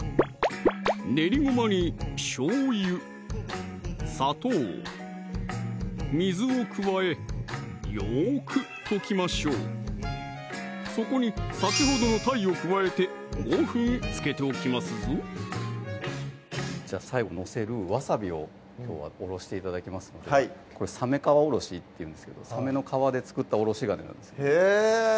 練りごまにしょうゆ・砂糖・水を加えよく溶きましょうそこに先ほどのたいを加えて５分漬けておきますぞじゃあ最後載せるわさびをきょうはおろして頂きますのでこれさめ皮おろしっていうんですけどさめの皮で作ったおろし金なんですよへぇ！